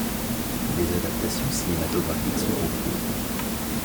Des adaptations cinématographiques sont en cours.